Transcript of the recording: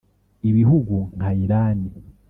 Ibihugu nka Iran